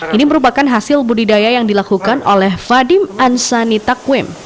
ini merupakan hasil budidaya yang dilakukan oleh fadil ansani takwim